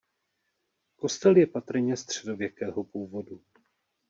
Kostel je patrně středověkého původu.